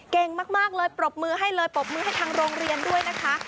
เก่งมากเลยปรบมือให้เลยปรบมือให้ทางโรงเรียนด้วยนะคะ